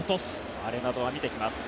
アレナドは見てきます。